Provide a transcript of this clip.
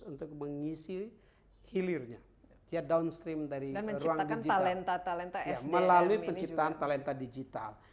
untuk mengisi hilirnya ya downstream dari ruang digital melalui penciptaan talenta digital